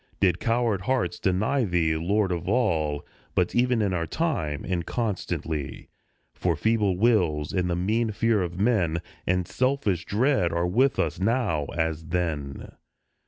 Did coward hearts deny Thee, Lord of all, But even in our time, and constantly ; For feeble wills, and the mean fear of men, And selfish dread, are with us now as then.